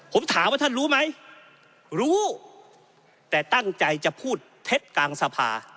ผมถามว่าท่านรู้ไหมรู้แต่ตั้งใจจะพูดเท็จกลางสภา